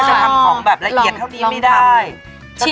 จะทำของแบบละเอียดเท่านี้ไม่ได้